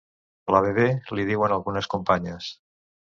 La Bebè, li diuen algunes companyes.